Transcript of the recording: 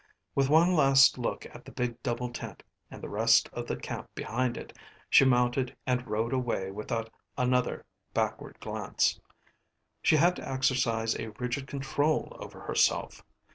With one last look at the big double tent and the rest of the camp behind it she mounted and rode away without another backward glance. She had to exercise a rigid control over herself.